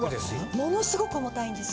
ものすごく重いんです。